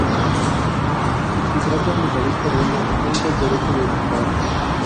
Y si tratan de salir corriendo, tengo el derecho de dispararles.